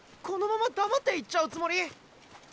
このまま黙って行っちゃうつもり？